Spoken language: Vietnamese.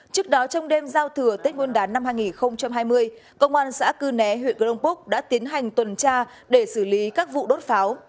trong đêm giao thừa tết buôn đán năm hai nghìn hai mươi công an xã cư né huyện cơ đông quốc đã tiến hành tuần tra để xử lý các vụ đốt pháo